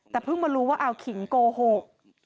แต่เพิ่งมารู้ว่าเอาขิงโกหก